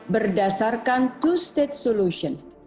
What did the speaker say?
berdasarkan two state solution